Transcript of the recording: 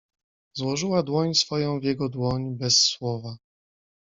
"Złożyła dłoń swoją w jego dłoń bez słowa."